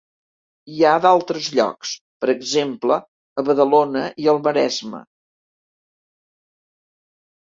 Hi ha d'altres llocs, per exemple a Badalona i al Maresme.